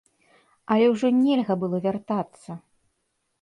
Але ўжо нельга было вяртацца!